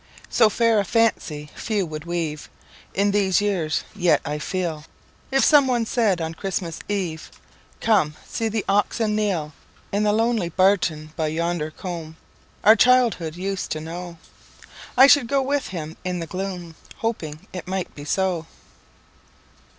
So fair a fancy few would weave In these years! Yet, I feel, If someone said on Christmas Eve, "Come; see the oxen kneel,"In the lonely barton by yonder coomb Our childhood used to know,"I should go with him in the gloom, Hoping it might be so.